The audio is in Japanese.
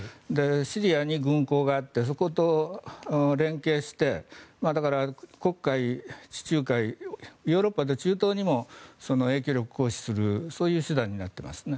シリアに軍港があってそこと連携してだから黒海、地中海ヨーロッパと中東にも、影響力を行使する手段になっています。